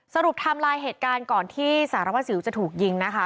สรุปทางลายเหตุการณ์ก่อนที่สารวสิวจะถูกยิงนะคะ